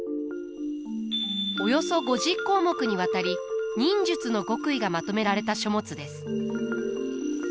およそ５０項目にわたり忍術の極意がまとめられた書物です。